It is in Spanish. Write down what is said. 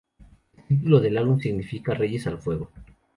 El título del álbum significa "Reyes al fuego".